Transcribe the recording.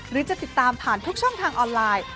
หรือจะติดตามผ่านทุกช่องทางออนไลน์